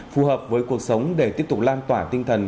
phù hợp với cuộc sống để tiếp tục lan tỏa tinh thần